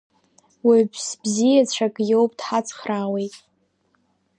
Уаҩԥс бзиацәак иоуп, дҳацхраауеит…